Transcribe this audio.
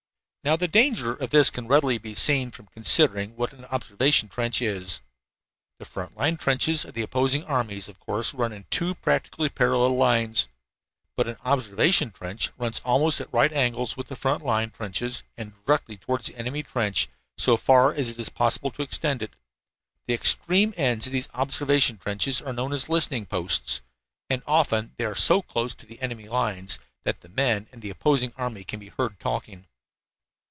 Now the danger of this can readily be seen from considering what an observation trench is. The front line trenches of the opposing armies, of course, run in two practically parallel lines. But an observation trench runs almost at right angles with the front line trenches, and directly toward the enemy trench, so far as it is possible to extend it. The extreme ends of these observation trenches are known as "listening posts," and often they are so close to the enemy lines that the men in the opposing army can be heard talking.